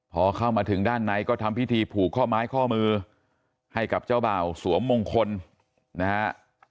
พอเข้ามาถึงด้านในก็ทำพิธีผูกข้อไม้ข้อมือให้กับเจ้าบ่าวสวมมงคลนะฮะ